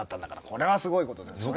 これはすごいことだよ。